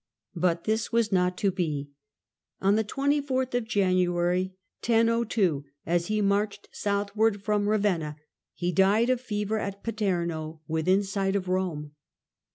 But this was not to be. On 24th January 1002, as he marched south ward from Ravenna, he died of fever at Paterno, within sight of Rome.